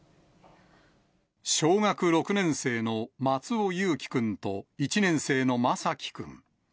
小学６年生の松尾侑城君と１年生の眞輝君。